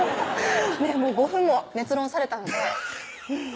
５分も熱論されたのでうん